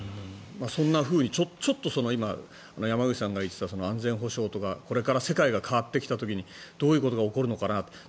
そんなふうにちょっと今山口さんが言っていた安全保障とかこれから世界が変わってきた時にどういうことが起こるのかなと。